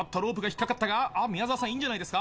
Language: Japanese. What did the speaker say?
ここまでは宮澤さん、いいんじゃないですか。